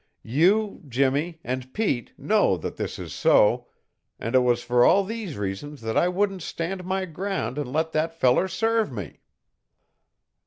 You, Jimmie, and Pete know that this is so, and it was for all these reasons that I wouldn't stand my ground and let that feller serve me.